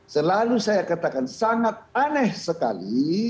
selalu saya katakan sangat aneh sekali